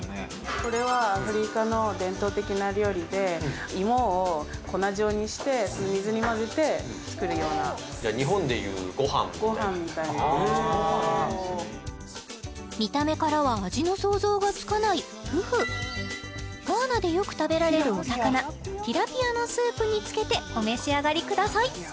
これはアフリカの伝統的な料理で芋を粉状にして水に混ぜて作るようなごはんみたいな見た目からは味の想像がつかないフフガーナでよく食べられるお魚ティラピアのスープにつけてお召し上がりください